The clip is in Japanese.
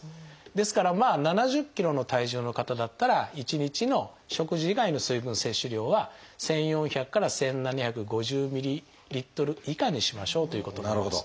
ですから７０ｋｇの体重の方だったら１日の食事以外の水分摂取量は１，４００から１，７５０ｍＬ以下にしましょうということになります。